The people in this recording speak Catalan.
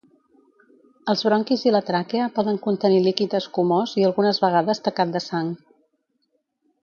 Els bronquis i la tràquea poden contenir líquid escumós i algunes vegades tacat de sang.